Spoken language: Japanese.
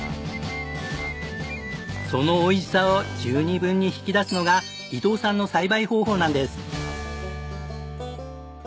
そのおいしさを十二分に引き出すのが伊藤さんの栽培方法なんです。